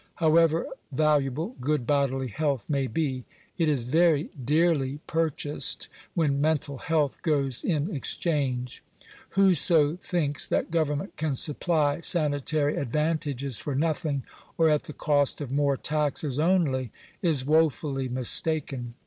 However valuable good bodily health may be, it is very dearly Digitized by VjOOQIC 390 SANITARY 8UFBRVI9109. purchased when mental health goes in exchange. Whoso thinks that government can supply sanitary advantages for nothing, or at the cost of more taxes only, is woefully mistaken.